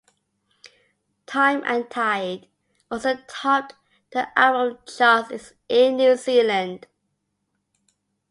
"Time and Tide" also topped the album charts in New Zealand.